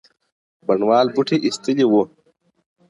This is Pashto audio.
بڼوال بوټي ایستلي وو.